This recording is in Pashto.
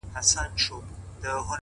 خپل ارزښت په کړنو وښایئ،